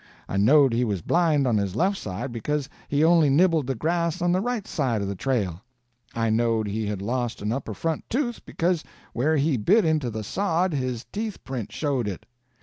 I knowed he was blind on his left side because he only nibbled the grass on the right side of the trail. I knowed he had lost an upper front tooth because where he bit into the sod his teeth print showed it.